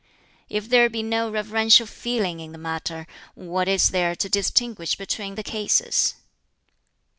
If there be no reverential feeling in the matter, what is there to distinguish between the cases?"